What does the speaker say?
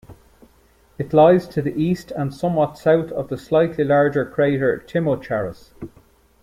It lies to the east and somewhat south of the slightly larger crater Timocharis.